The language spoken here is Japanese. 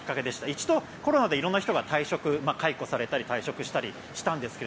一度コロナで色んな人が解雇されたり退職したりしたんですね。